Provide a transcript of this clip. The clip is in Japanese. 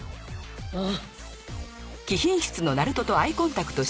ああ。